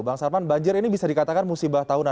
bang sarman banjir ini bisa dikatakan musibah tahunan